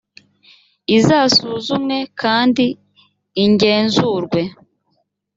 izasuzumwe kandi ingenzurwe.